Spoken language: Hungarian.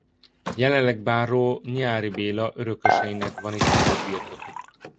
Jelenleg báró Nyáry Béla örököseinek van itt nagyobb birtokuk.